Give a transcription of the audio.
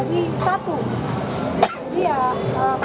tapi sekarang berubah menjadi satu